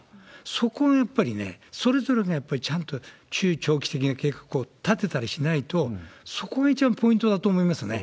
そこをやっぱりね、それぞれがやっぱりちゃんと中長期的な計画を立てたりしないと、そこが一番ポイントだと思いますね。